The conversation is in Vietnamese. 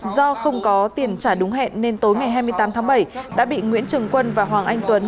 do không có tiền trả đúng hẹn nên tối ngày hai mươi tám tháng bảy đã bị nguyễn trường quân và hoàng anh tuấn